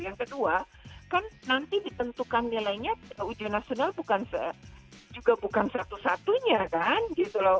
yang kedua kan nanti ditentukan nilainya ujian nasional juga bukan satu satunya kan gitu loh